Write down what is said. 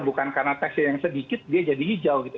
bukan karena tesnya yang sedikit dia jadi hijau gitu